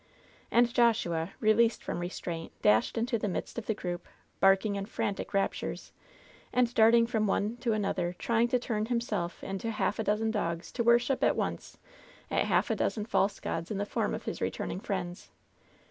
And Joshua, released from restraint, dashed into the midst of the group, barking in frantic raptures, and darting from one to another trying to turn himself into a half a dozen dogs to wordiip at once a half a dozen false gods in the form of his returning friends.